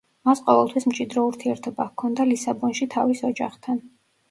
მას ყოველთვის მჭიდრო ურთიერთობა ჰქონდა ლისაბონში თავის ოჯახთან.